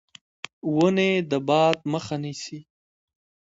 ونې د باد مخه نیسي.